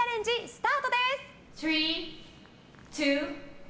スタートです！